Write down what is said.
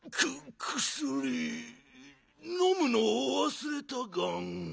のむのをわすれたガン。